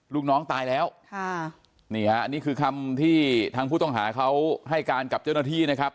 ลูกน้องตายแล้วค่ะนี่ฮะอันนี้คือคำที่ทางผู้ต้องหาเขาให้การกับเจ้าหน้าที่นะครับ